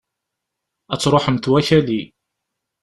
Ad truḥemt wakali!